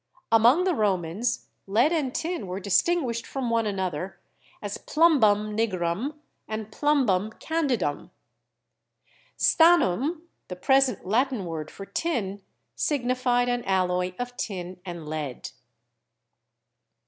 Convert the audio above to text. Among ANCIENT CHEMICAL KNOWLEDGE 19 the Romans lead and tin were distinguished from one an other as 'plumbum nigrum' and 'plumbum candidum/ 'Stan num,' the present Latin word for tin, signified an alloy of tin and lead.